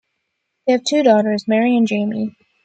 They have two daughters, Merrie and Jaimie.